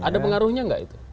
ada pengaruhnya nggak itu